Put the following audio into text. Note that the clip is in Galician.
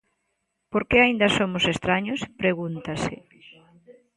Por que aínda somos estraños?, pregúntase.